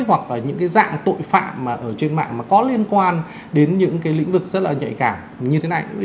hoặc là những dạng tội phạm trên mạng mà có liên quan đến những lĩnh vực rất nhạy cảm như thế này